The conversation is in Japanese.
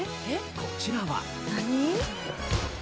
こちらは。